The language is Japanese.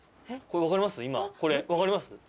これ分かります？